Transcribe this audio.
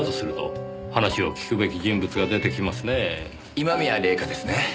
今宮礼夏ですね。